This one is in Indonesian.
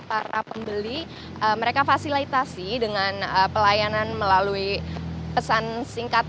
para pembeli mereka fasilitasi dengan pelayanan melalui pesan singkat